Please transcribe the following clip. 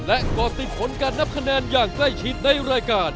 และก่อติดผลการนับคะแนนอย่างใกล้ชิดในรายการ